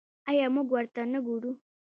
آیا موږ ورته نه ګورو؟